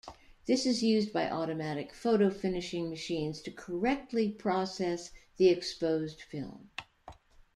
This is used by automatic photo-finishing machines to correctly process the exposed film.